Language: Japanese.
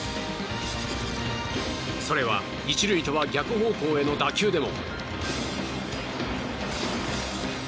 それは、１塁とは逆方向への打球でも。